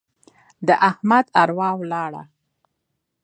د احمد اروا ولاړه.